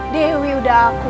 dewi udah aku